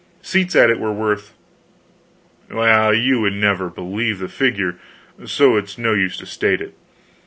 Seats at it were worth well, you would never believe the figure, so it is no use to state it.